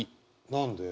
何で？